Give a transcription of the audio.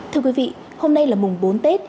thưa quý vị hôm nay là mùng bốn tết